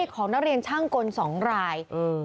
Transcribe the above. ของนักเรียนช่างกล๒ราย